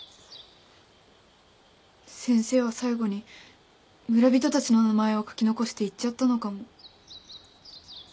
先生は最後に村人たちの名前を書き残して行っちゃったのかも。